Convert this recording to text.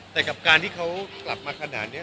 แต่กลับมาสำหรับผมเนี่ย